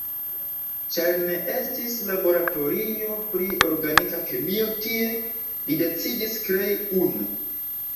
Ĉar ne estis laboratorio pri Organika Kemio tie, li decidis krei unu.